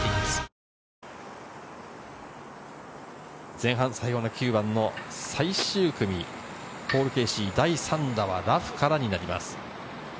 前半最後の９番の最終組、ポール・ケーシー、第３打はラフからになります。